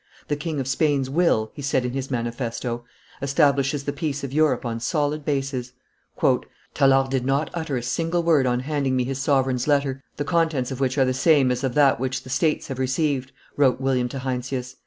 "The King of Spain's will," he said in his manifesto, "establishes the peace of Europe on solid bases." "Tallard did not utter a single word on handing me his sovereign's letter, the contents of which are the same as of that which the states have received," wrote William to Heinsius.